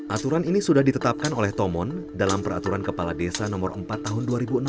aturan ini sudah ditetapkan oleh tomon dalam peraturan kepala desa no empat tahun dua ribu enam belas